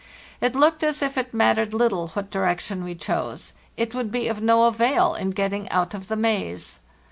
It looked as if it mattered little what direction we chose: it would be of no avail in get ting out of the maze.